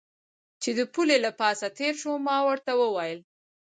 چې د پله له پاسه تېر شو، ما ورته وویل.